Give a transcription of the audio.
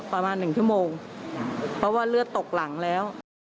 ประมาณหนึ่งชั่วโมงเพราะว่าเลือดตกหลังแล้ว